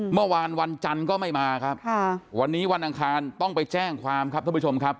เมื่อวานวันจันทร์ก็ไม่มาครับวันนี้วันอังคารต้องไปแจ้งความครับท่านผู้ชมครับ